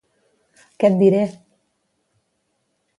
—Què et diré!